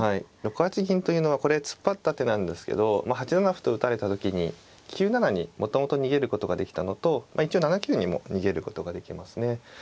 ６八銀というのはこれ突っ張った手なんですけど８七歩と打たれた時に９七にもともと逃げることができたのと一応７九にも逃げることができますね。